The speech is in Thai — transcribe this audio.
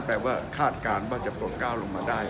ว่าคาดการณ์ว่าจะโปรดก้าวลงมาได้